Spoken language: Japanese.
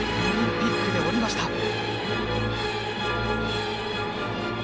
オリンピックで降りました。